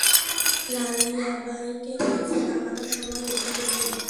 রাজিয়াবাইকে নিচে নামানোর সময় এসে গেছে।